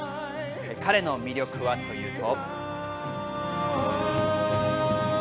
彼の魅力はというと。